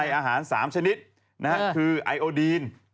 ในอาหาร๓ชนิดนะฮะคือไอโอดีน